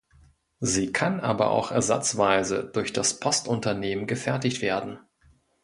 Sie kann aber auch ersatzweise durch das Postunternehmen gefertigt werden.